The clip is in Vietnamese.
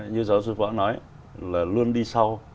như giáo sư phó nói là luôn đi sau